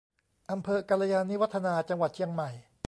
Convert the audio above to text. อำเภอกัลยาณิวัฒนา จังหวัดเชียงใหม่